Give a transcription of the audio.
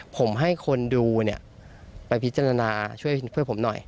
ผมให้คนดูไปพิจารณาช่วยผมหน่อย